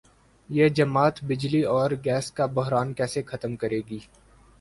یہ جماعت بجلی اور گیس کا بحران کیسے ختم کرے گی؟